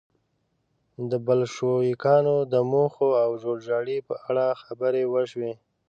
د بلشویکانو د موخو او جوړجاړي په اړه خبرې وشوې